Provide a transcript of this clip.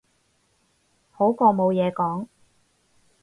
好過冇嘢講